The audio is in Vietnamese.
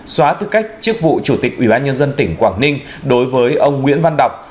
xóa tư cách chức vụ chủ tịch ubnd tỉnh quảng ninh đối với ông nguyễn văn đọc